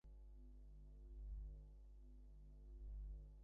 তাই data science শিখতে হলে শুরু করতে হবে গনিত এবং পরিসংখ্যান দিয়েই।